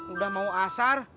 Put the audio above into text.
udah mau asar